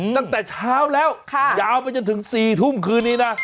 ตั้งแต่เช้าแล้วยาวไปจนถึง๔ทุ่มคืนนี้นะ